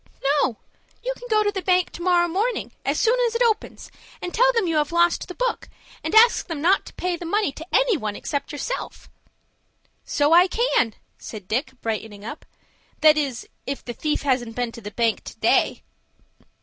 "No. You can go to the bank to morrow morning, as soon as it opens, and tell them you have lost the book, and ask them not to pay the money to any one except yourself." "So I can," said Dick, brightening up. "That is, if the thief hasn't been to the bank to day."